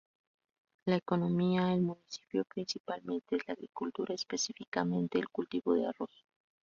La economía el municipio principalmente es la agricultura, específicamente el cultivo de arroz.